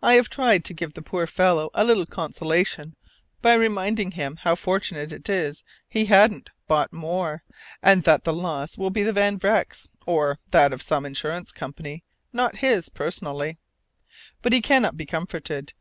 I have tried to give the poor fellow a little consolation by reminding him how fortunate it is he hadn't bought more, and that the loss will be the Van Vrecks' or that of some insurance company, not his personally. But he cannot be comforted.